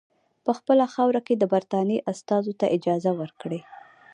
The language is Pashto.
په خپله خاوره کې د برټانیې استازو ته اجازه ورکړي.